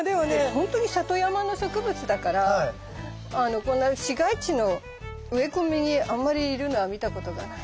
本当に里山の植物だからこんな市街地の植え込みにあんまりいるのは見たことがない。